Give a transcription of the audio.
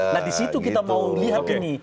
nah disitu kita mau lihat ini